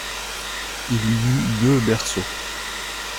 Il y eut deux berceaux.